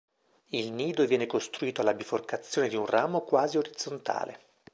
Il nido viene costruito alla biforcazione di un ramo quasi orizzontale.